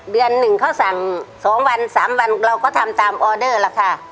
เดือนหนึ่งเขาสั่ง๒วัน๓วันเราก็ทำตามออเดอร์ล่ะค่ะ